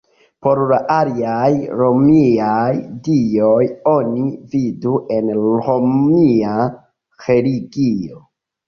Por la aliaj romiaj dioj oni vidu en romia religio.